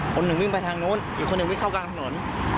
คนหนึ่งวิ่งไปทางนู้นอีกคนหนึ่งวิ่งเข้ากลางถนน